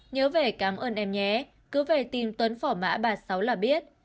nhớ về cảm ơn em nhé cứ về tìm tuấn phỏ mã ba mươi sáu là biết